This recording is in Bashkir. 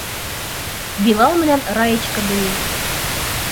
Билал менән Раечка бейей.